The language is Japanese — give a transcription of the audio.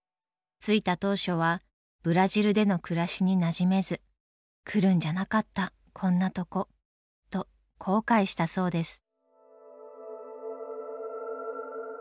着いた当初はブラジルでの暮らしになじめず「来るんじゃなかったこんなとこ」と後悔したそうです。